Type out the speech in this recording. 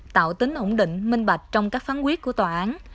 tạo tính ổn định minh bạch trong các phán quyết của tòa án